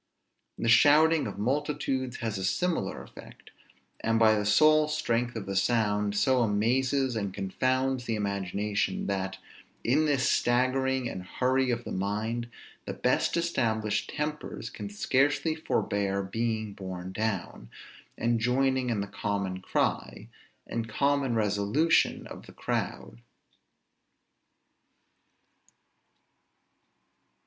The shouting of multitudes has a similar effect; and by the sole strength of the sound, so amazes and confounds the imagination, that, in this staggering and hurry of the mind, the best established tempers can scarcely forbear being borne down, and joining in the common cry, and common resolution of the crowd.